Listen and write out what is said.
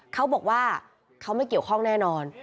เขาบอกว่าเขาไม่เกี่ยวข้องแน่นอน